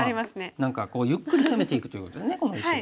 何かゆっくり攻めていくということですね